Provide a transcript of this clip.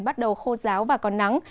bắt đầu khô giáo và còn nắng